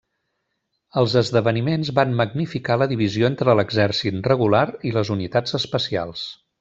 Els esdeveniments van magnificar la divisió entre l'exèrcit regular i les unitats especials.